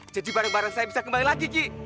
jadi bareng bareng saya bisa kembali lagi ki